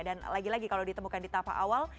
dan lagi lagi kalau ditemukan di tapak awal